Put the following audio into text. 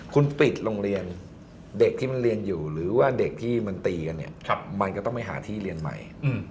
คุณปิดโรงเรียนเด็กที่มันเรียนอยู่หรือว่าเด็กที่มันตีกันเนี่ยมันก็ต้องไปหาที่เรียนใหม่